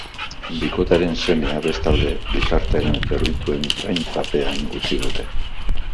Bikotearen semea, bestalde, gizarte-zerbitzuen zaintzapean utzi dute.